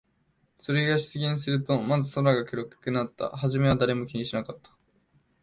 それが出現すると、まず空が暗くなった。はじめは誰も気にしなかった。